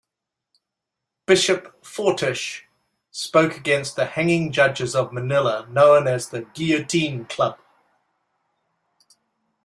Bishop Fortich spoke against the hanging judges of Manila known as the Guillotine Club.